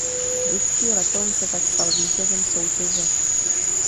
Britský letoun se tak stal vítězem soutěže.